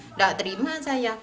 tidak terima saya